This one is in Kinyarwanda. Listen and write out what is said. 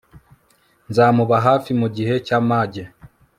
nzamuba hafi mu gihe cy'amage